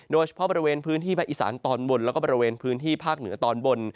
โดยเฉพาะบริเวณพื้นที่ภาคอีสานตอนบนแล้วก็บริเวณพื้นที่ภาคเหนือตอนบน